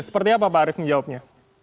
seperti apa pak arief menjawabnya